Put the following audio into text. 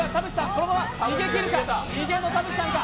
このまま逃げきるか、逃げの田渕さんか。